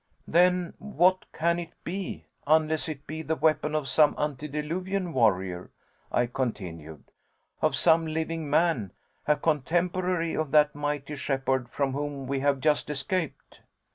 "Then what can it be unless it be the weapon of some antediluvian warrior," I continued, "of some living man, a contemporary of that mighty shepherd from whom we have just escaped?